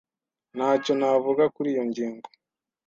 Ntacyo navuga kuri iyo ngingo.